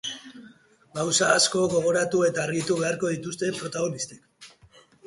Gauza asko gogoratu eta argitu beharko dituzte protagonistek.